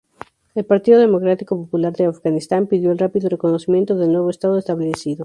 El Partido Democrático Popular de Afganistán pidió el rápido reconocimiento del nuevo estado establecido.